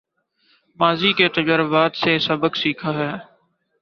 ماضی کے تجربات سے سبق سیکھا ہے